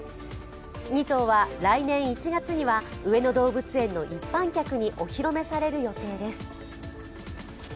２頭は来年１月には上野動物園の一般客にお披露目される予定です。